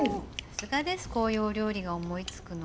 さすがですこういうお料理が思いつくの。